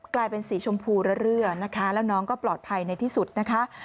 กลายเป็นสีชมพูเรื่อยนะคะแล้วน้องก็ปลอดภัยในที่สุดนะคะ